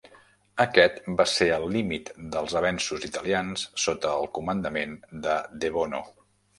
Aquest va ser el límit dels avenços italians sota el comandament de De Bono.